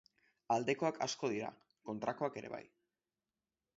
Aldekoak asko dira, kontrakoak ere bai.